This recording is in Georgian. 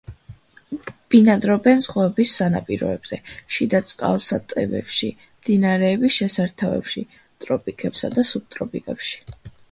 ბინადრობენ ზღვების სანაპიროებზე, შიდა წყალსატევებში, მდინარეების შესართავებში ტროპიკებსა და სუბტროპიკებში.